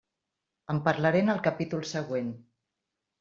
En parlaré en el capítol següent.